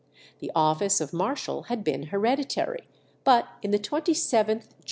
The office of marshal had been hereditary, but in the 27th Geo.